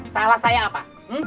salah saya apa